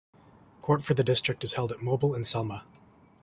Court for the District is held at Mobile and Selma.